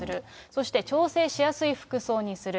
そして、調整しやすい服装にする。